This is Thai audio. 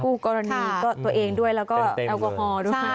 กรณีก็ตัวเองด้วยแล้วก็แอลกอฮอล์ด้วย